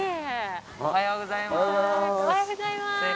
おはようございます！